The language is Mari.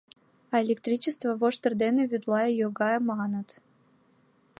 А электричество воштыр дене вӱдла йога, маныт.